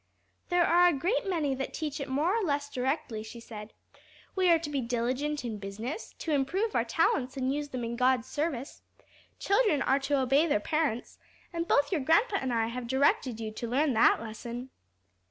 "There are a great many that teach it more or less directly," she said; "we are to be diligent in business, to improve our talents and use them in God's service; children are to obey their parents; and both your grandpa and I have directed you to learn that lesson."